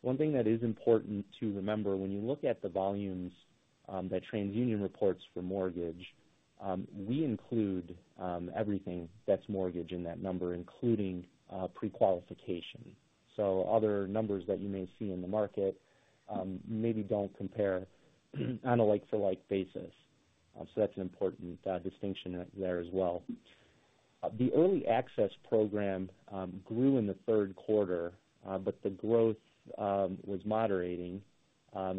One thing that is important to remember, when you look at the volumes that TransUnion reports for mortgage, we include everything that's mortgage in that number, including pre-qualification. So other numbers that you may see in the market maybe don't compare on a like-for-like basis. So that's an important distinction there as well. The Early Access program grew in the third quarter, but the growth was moderating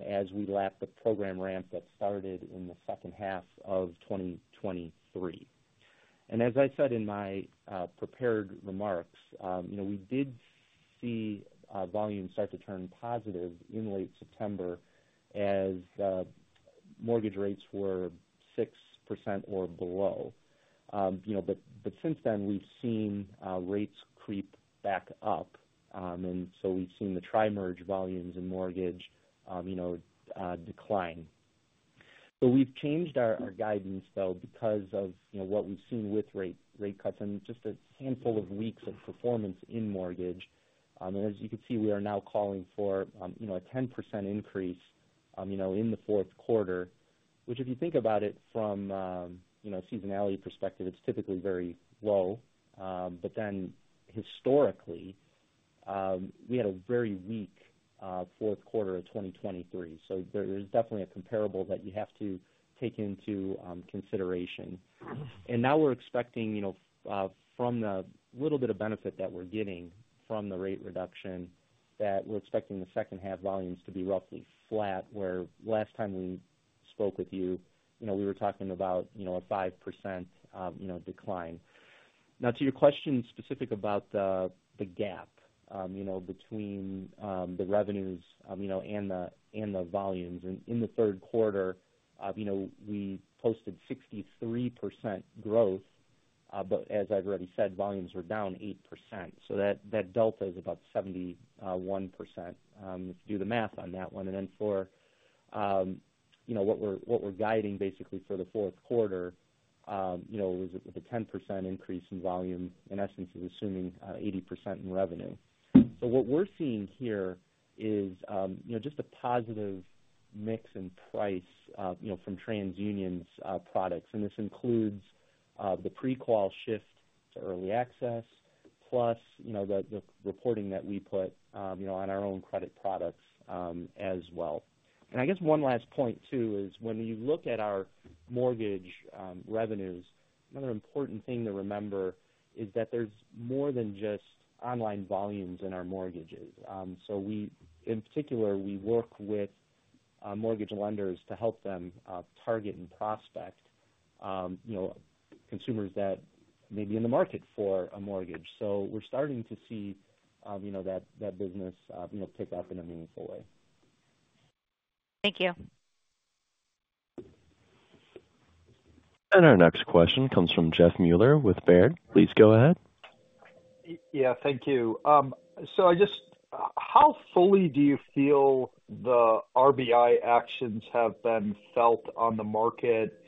as we lapped the program ramp that started in the second half of 2023. As I said in my prepared remarks, you know, we did see volumes start to turn positive in late September as mortgage rates were 6% or below. You know, but since then, we've seen rates creep back up. And so we've seen the tri-merge volumes in mortgage you know decline. But we've changed our guidance, though, because of you know what we've seen with rate cuts and just a handful of weeks of performance in mortgage. As you can see, we are now calling for, you know, a 10% increase, you know, in the fourth quarter, which, if you think about it from, you know, seasonality perspective, it's typically very low, but then historically, we had a very weak fourth quarter of 2023, so there is definitely a comparable that you have to take into consideration, and now we're expecting, you know, from the little bit of benefit that we're getting from the rate reduction, that we're expecting the second half volumes to be roughly flat, where last time we spoke with you, you know, we were talking about, you know, a 5%, you know, decline. Now, to your question specific about the gap, you know, between the revenues, you know, and the volumes. In the third quarter, you know, we posted 63% growth, but as I've already said, volumes are down 8%, so that delta is about 71%, if you do the math on that one. And then for, you know, what we're guiding basically for the fourth quarter, you know, with a 10% increase in volume, in essence, is assuming 80% in revenue. So what we're seeing here is, you know, just a positive mix and price, you know, from TransUnion's products, and this includes the pre-qual shift to Early Access, plus, you know, the reporting that we put, you know, on our own credit products, as well. And I guess one last point, too, is when you look at our mortgage revenues, another important thing to remember is that there's more than just online volumes in our mortgages. So we, in particular, work with mortgage lenders to help them target and prospect, you know, consumers that may be in the market for a mortgage. So we're starting to see, you know, that business, you know, pick up in a meaningful way. Thank you.... And our next question comes from Jeff Meuler with Baird. Please go ahead. Yeah, thank you. So I just, how fully do you feel the RBI actions have been felt on the market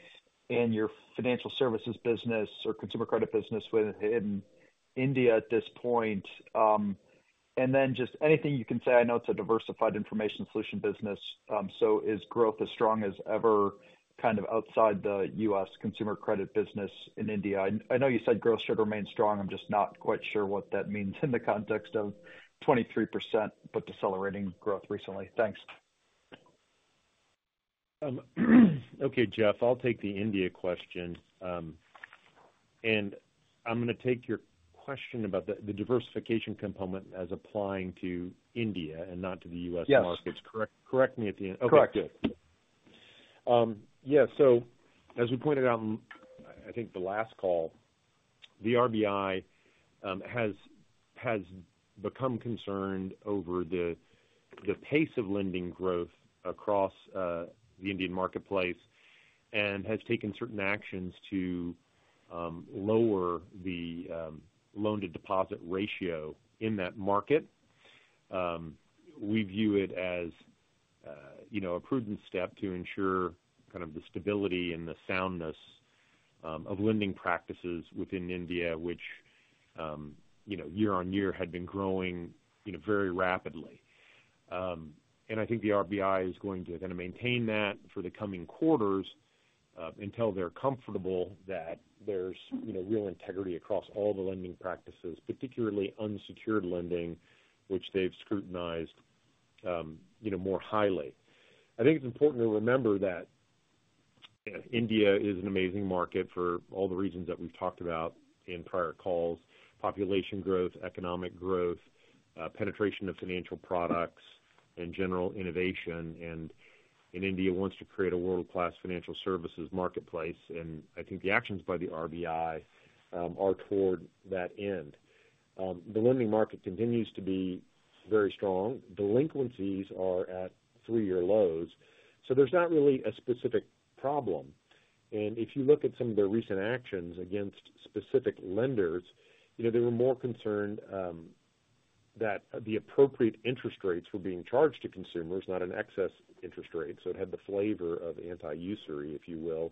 in your Financial Services business or consumer credit business within India at this point? And then just anything you can say, I know it's a diversified information solution business, so is growth as strong as ever, kind of outside the U.S. consumer credit business in India? I know you said growth should remain strong. I'm just not quite sure what that means in the context of 23%, but decelerating growth recently. Thanks. Okay, Jeff, I'll take the India question. And I'm gonna take your question about the diversification component as applying to India and not to the U.S. Markets. Yes. Correct, correct me at the end. Correct. Okay, good. Yeah, so as we pointed out in, I think the last call, the RBI has become concerned over the pace of lending growth across the Indian marketplace, and has taken certain actions to lower the loan-to-deposit ratio in that market. We view it as you know, a prudent step to ensure kind of the stability and the soundness of lending practices within India, which you know, year-on-year had been growing very rapidly. And I think the RBI is going to kind of maintain that for the coming quarters until they're comfortable that there's you know, real integrity across all the lending practices, particularly unsecured lending, which they've scrutinized you know, more highly. I think it's important to remember that India is an amazing market for all the reasons that we've talked about in prior calls: population growth, economic growth, penetration of financial products, and general innovation, and India wants to create a world-class financial services marketplace. And I think the actions by the RBI are toward that end. The lending market continues to be very strong. Delinquencies are at three-year lows, so there's not really a specific problem. And if you look at some of their recent actions against specific lenders, you know, they were more concerned that the appropriate interest rates were being charged to consumers, not an excess interest rate. So it had the flavor of anti-usury, if you will,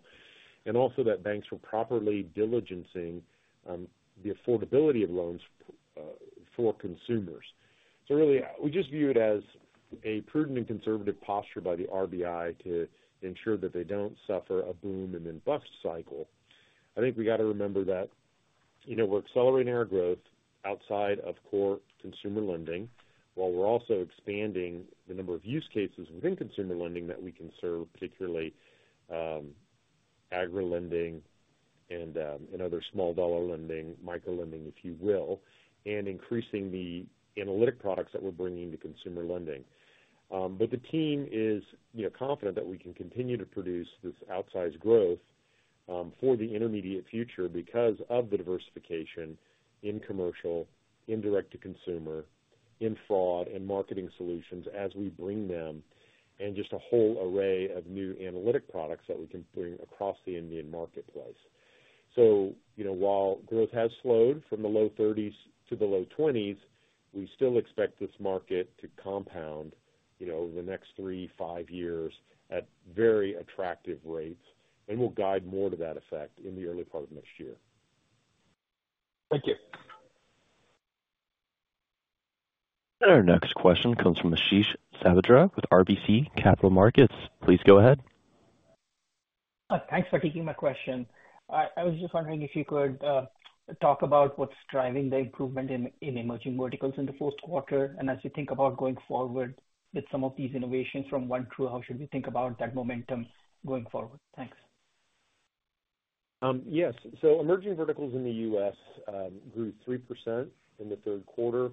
and also that banks were properly diligencing the affordability of loans for consumers. So really, we just view it as a prudent and conservative posture by the RBI to ensure that they don't suffer a boom-and-then-bust cycle. I think we gotta remember that, you know, we're accelerating our growth outside of core consumer lending, while we're also expanding the number of use cases within consumer lending that we can serve, particularly, agri lending and, and other small dollar lending, micro lending, if you will, and increasing the analytic products that we're bringing to consumer lending. But the team is, you know, confident that we can continue to produce this outsized growth, for the intermediate future because of the diversification in commercial, in direct-to-consumer, in fraud and marketing solutions as we bring them, and just a whole array of new analytic products that we can bring across the Indian marketplace. You know, while growth has slowed from the low 30s to the low 20s, we still expect this market to compound, you know, over the next three, five years at very attractive rates, and we'll guide more to that effect in the early part of next year. Thank you. Our next question comes from Ashish Sabadra with RBC Capital Markets. Please go ahead. Thanks for taking my question. I was just wondering if you could talk about what's driving the improvement in Emerging Verticals in the fourth quarter, and as you think about going forward with some of these innovations from OneTru, how should we think about that momentum going forward? Thanks. Yes. So Emerging Verticals in the U.S. grew 3% in the third quarter.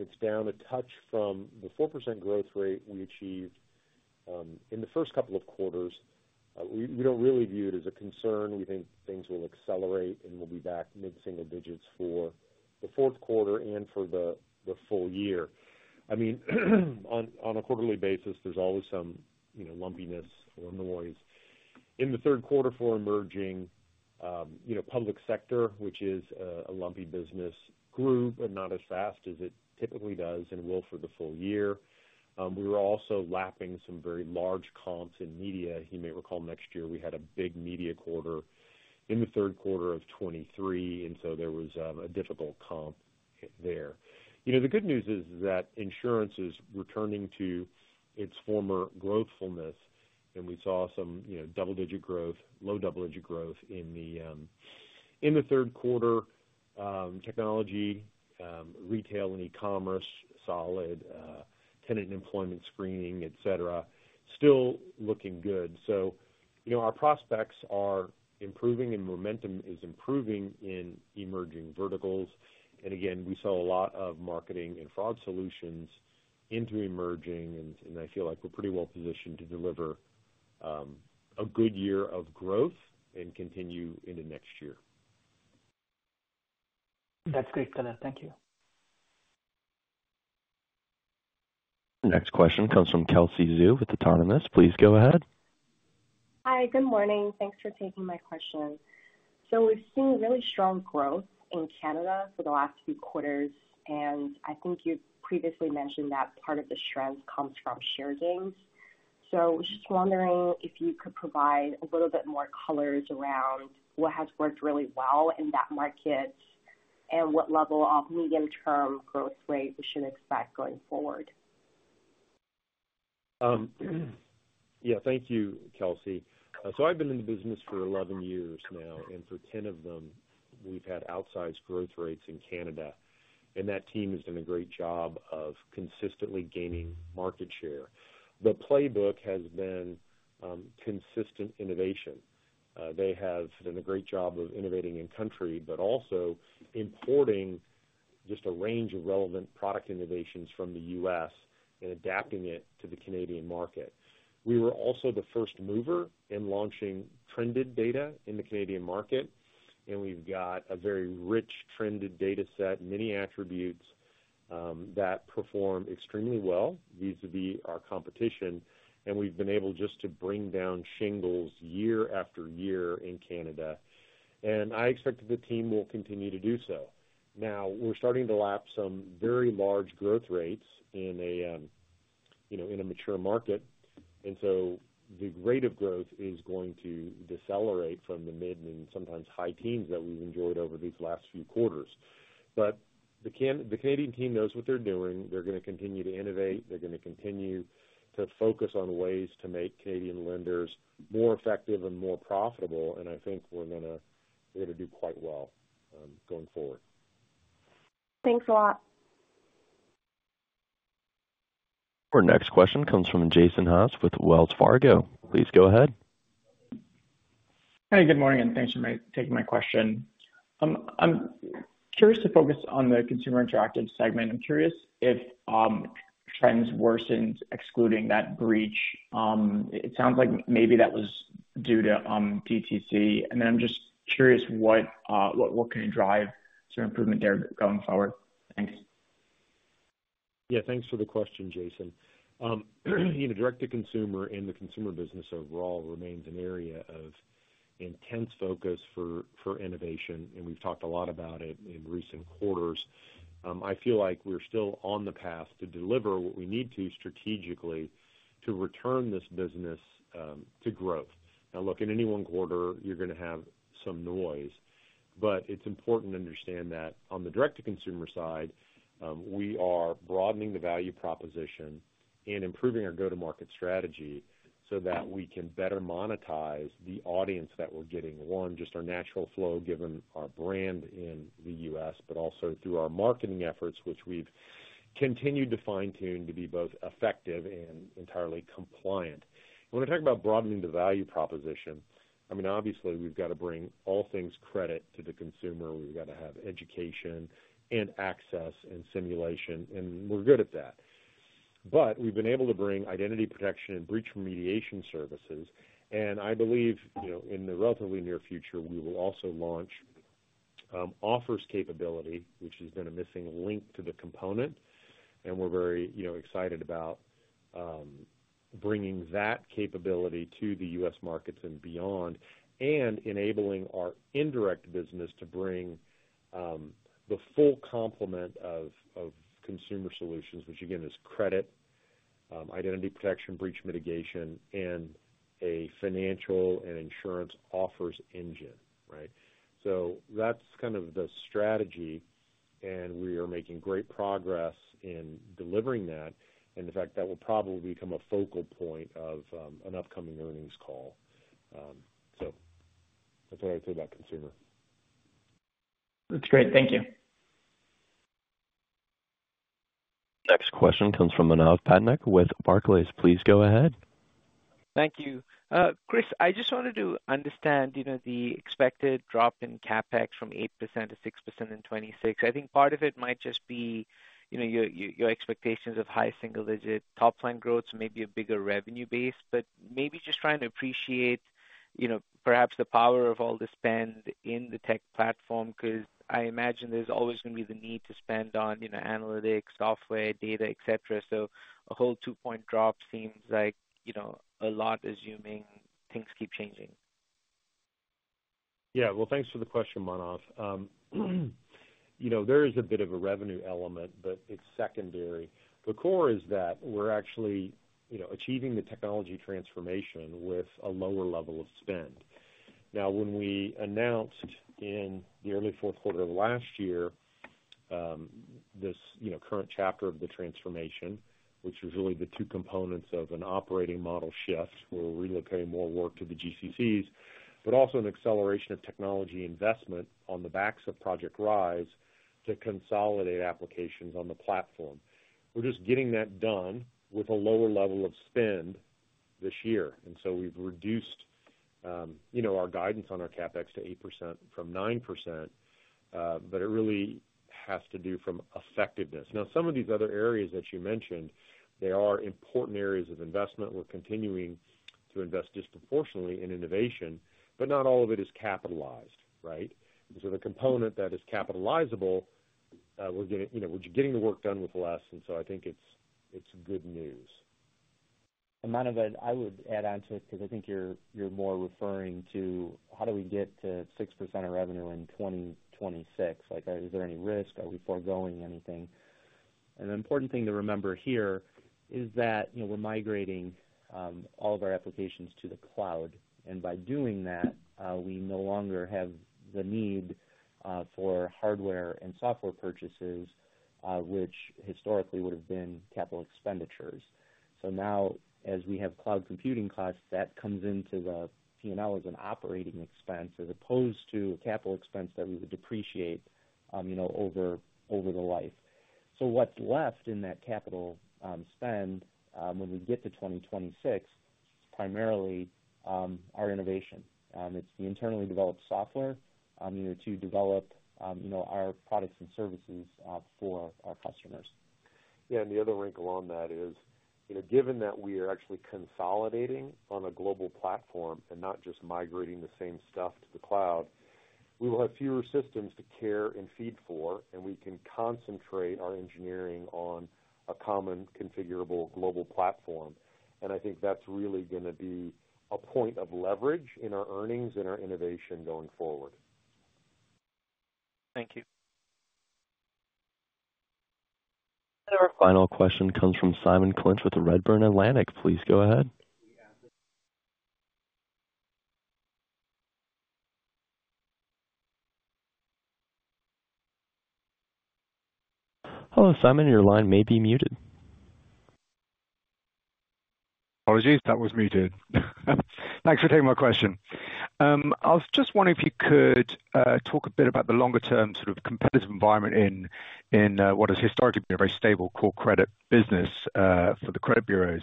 It's down a touch from the 4% growth rate we achieved in the first couple of quarters. We don't really view it as a concern. We think things will accelerate, and we'll be back mid-single digits for the fourth quarter and for the full year. I mean, on a quarterly basis, there's always some you know, lumpiness or noise. In the third quarter for Emerging, you know, public sector, which is a lumpy business, grew, but not as fast as it typically does and will for the full year. We were also lapping some very large comps in media. You may recall next year we had a big media quarter in the third quarter of 2023, and so there was a difficult comp there. You know, the good news is that insurance is returning to its former growthfulness, and we saw some, you know, double-digit growth, low double-digit growth in the in the third quarter. Technology, retail and e-commerce, solid. Tenant and employment screening, et cetera, still looking good. So, you know, our prospects are improving, and momentum is improving in Emerging Verticals. And again, we saw a lot of marketing and fraud solutions into Emerging, and, and I feel like we're pretty well positioned to deliver a good year of growth and continue into next year. That's great, Chris. Thank you. Next question comes from Kelsey Zhu with Autonomous Research. Please go ahead. Hi, good morning. Thanks for taking my question. So we've seen really strong growth in Canada for the last few quarters, and I think you previously mentioned that part of the strength comes from share gains. So was just wondering if you could provide a little bit more colors around what has worked really well in that market and what level of medium-term growth rate we should expect going forward? Um, yeah, thank you, Kelsey. Uh, so I've been in the business for eleven years now, and for ten of them, we've had outsized growth rates in Canada, and that team has done a great job of consistently gaining market share. The playbook has been, um, consistent innovation. Uh, they have done a great job of innovating in country, but also importing just a range of relevant product innovations from the US and adapting it to the Canadian market. We were also the first mover in launching trended data in the Canadian market, and we've got a very rich trended data set, many attributes, um, that perform extremely well vis-a-vis our competition, and we've been able just to bring down shingles year-after-year in Canada, and I expect that the team will continue to do so. Now, we're starting to lap some very large growth rates in a, you know, in a mature market, and so the rate of growth is going to decelerate from the mid and sometimes high teens that we've enjoyed over these last few quarters. But the Canadian team knows what they're doing. They're going to continue to innovate. They're going to continue to focus on ways to make Canadian lenders more effective and more profitable, and I think we're going to, we're going to do quite well, going forward. Thanks a lot. Our next question comes from Jason Haas with Wells Fargo. Please go ahead. Hi, good morning, and thanks for taking my question. I'm curious to focus on the Consumer Interactive segment. I'm curious if trends worsened, excluding that breach. It sounds like maybe that was due to DTC. And then I'm just curious, what can you drive to improvement there going forward? Thanks. Yeah, thanks for the question, Jason. You know, direct-to-consumer and the consumer business overall remains an area of intense focus for innovation, and we've talked a lot about it in recent quarters. I feel like we're still on the path to deliver what we need to strategically to return this business to growth. Now, look, in any one quarter, you're going to have some noise, but it's important to understand that on the direct-to-consumer side, we are broadening the value proposition and improving our go-to-market strategy so that we can better monetize the audience that we're getting. One, just our natural flow, given our brand in the U.S., but also through our marketing efforts, which we've continued to fine-tune to be both effective and entirely compliant. When we talk about broadening the value proposition, I mean, obviously, we've got to bring all things credit to the consumer. We've got to have education and access and simulation, and we're good at that, but we've been able to bring identity protection and breach remediation services, and I believe, you know, in the relatively near future, we will also launch offers capability, which has been a missing link to the component, and we're very, you know, excited about bringing that capability to the U.S. markets and beyond, and enabling our indirect business to bring the full complement of consumer solutions, which, again, is credit, identity protection, breach mitigation, and a financial and insurance offers engine, right, so that's kind of the strategy, and we are making great progress in delivering that. In fact, that will probably become a focal point of an upcoming earnings call. That's what I'd say about consumer. That's great. Thank you. Next question comes from Manav Patnaik with Barclays. Please go ahead. Thank you. Chris, I just wanted to understand, you know, the expected drop in CapEx from 8% to 6% in 2026. I think part of it might just be, you know, your expectations of high single digit, top-line growth, so maybe a bigger revenue base. But maybe just trying to appreciate, you know, perhaps the power of all the spend in the tech platform, 'cause I imagine there's always going to be the need to spend on, you know, analytics, software, data, et cetera. So a whole two-point drop seems like, you know, a lot, assuming things keep changing. Yeah. Well, thanks for the question, Manav. You know, there is a bit of a revenue element, but it's secondary. The core is that we're actually, you know, achieving the technology transformation with a lower level of spend. Now, when we announced in the early fourth quarter of last year, this, you know, current chapter of the transformation, which was really the two components of an operating model shift, where we're relocating more work to the GCCs, but also an acceleration of technology investment on the backs of Project Rise to consolidate applications on the platform. We're just getting that done with a lower level of spend this year, and so we've reduced, you know, our guidance on our CapEx to 8% from 9%, but it really has to do from effectiveness. Now, some of these other areas that you mentioned, they are important areas of investment. We're continuing to invest disproportionately in innovation, but not all of it is capitalized, right? And so the component that is capitalizable, we're getting, you know, we're getting the work done with less, and so I think it's good news. Manav, I would add on to it, because I think you're more referring to how do we get to 6% of revenue in 2026? Like, is there any risk? Are we foregoing anything? And the important thing to remember here is that, you know, we're migrating all of our applications to the cloud, and by doing that, we no longer have the need for hardware and software purchases, which historically would have been capital expenditures. So now, as we have cloud computing costs, that comes into the P&L as an operating expense, as opposed to a capital expense that we would depreciate, you know, over the life. So what's left in that capital spend, when we get to 2026, is primarily our innovation. It's the internally developed software, you know, to develop, you know, our products and services, for our customers. Yeah, and the other wrinkle on that is, you know, given that we are actually consolidating on a global platform and not just migrating the same stuff to the cloud, we will have fewer systems to care and feed for, and we can concentrate our engineering on a common configurable global platform. And I think that's really gonna be a point of leverage in our earnings and our innovation going forward. Thank you. Our final question comes from Simon Clinch with Redburn Atlantic. Please go ahead. Hello, Simon, your line may be muted. Apologies, that was muted. Thanks for taking my question. I was just wondering if you could talk a bit about the longer-term sort of competitive environment in what has historically been a very stable core credit business for the credit bureaus.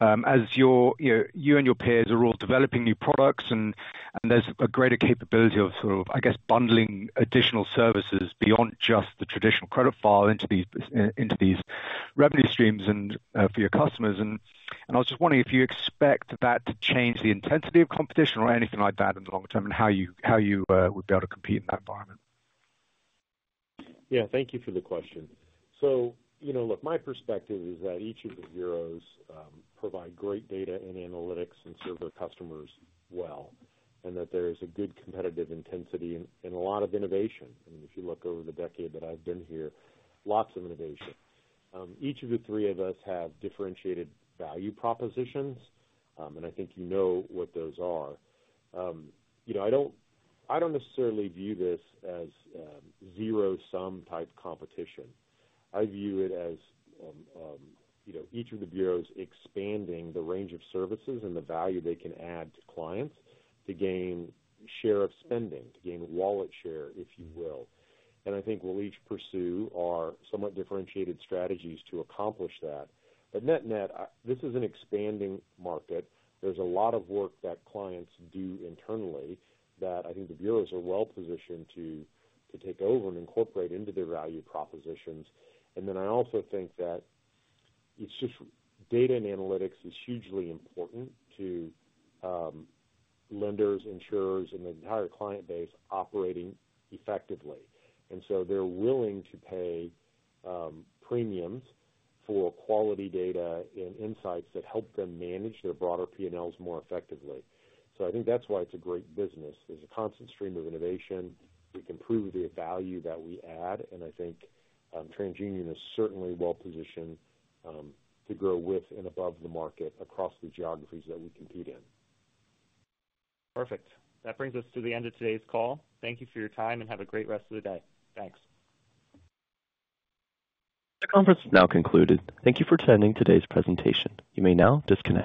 As your, you know, you and your peers are all developing new products, and there's a greater capability of sort of, I guess, bundling additional services beyond just the traditional credit file into these revenue streams and for your customers. And I was just wondering if you expect that to change the intensity of competition or anything like that in the long term, and how you would be able to compete in that environment? Yeah, thank you for the question. So, you know, look, my perspective is that each of the bureaus provide great data and analytics and serve their customers well, and that there is a good competitive intensity and a lot of innovation. I mean, if you look over the decade that I've been here, lots of innovation. Each of the three of us have differentiated value propositions, and I think you know what those are. You know, I don't, I don't necessarily view this as a zero-sum type competition. I view it as, you know, each of the bureaus expanding the range of services and the value they can add to clients to gain share of spending, to gain wallet share, if you will, and I think we'll each pursue our somewhat differentiated strategies to accomplish that. But net-net, this is an expanding market. There's a lot of work that clients do internally that I think the bureaus are well positioned to take over and incorporate into their value propositions. And then I also think that it's just data and analytics is hugely important to lenders, insurers, and the entire client base operating effectively. And so they're willing to pay premiums for quality data and insights that help them manage their broader P&Ls more effectively. So I think that's why it's a great business. There's a constant stream of innovation. We can prove the value that we add, and I think TransUnion is certainly well positioned to grow with and above the market across the geographies that we compete in. Perfect. That brings us to the end of today's call. Thank you for your time, and have a great rest of the day. Thanks. The conference is now concluded. Thank you for attending today's presentation. You may now disconnect.